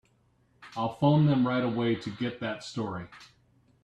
I'll phone them right away to get that story.